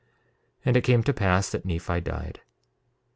1:12 And it came to pass that Nephi died.